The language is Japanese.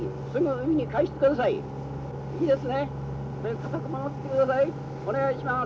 お願いします。